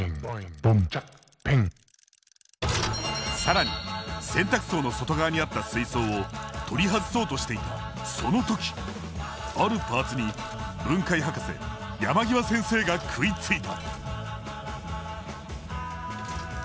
更に洗濯槽の外側にあった水槽を取り外そうとしていたその時あるパーツに分解ハカセ山際先生が食いついた。